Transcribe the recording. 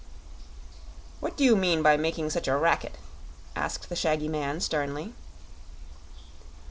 "What do you mean by making such a racket?" asked the shaggy man, sternly.